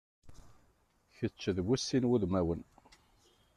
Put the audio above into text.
Kečč d bu sin wudmanwen.